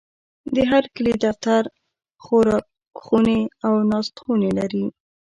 د هرکلي دفتر، خوراکخونې او ناستخونې لري.